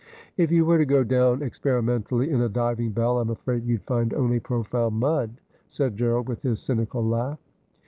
' If you were to go down experimentally in a diving bell, I'm afraid you'd find only profound mud,' said Gerald, with his cynical laugh.